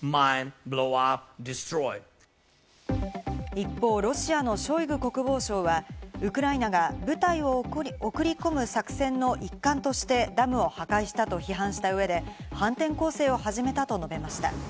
一方、ロシアのショイグ国防相はウクライナが部隊を送り込む作戦の一環として、ダムを破壊したと批判した上で、反転攻勢を始めたと述べました。